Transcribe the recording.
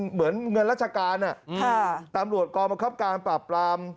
เหมือนเงินรักษาการตำรวจกรมาครับการปรับปราม